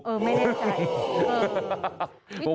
เออไม่แน่ใจ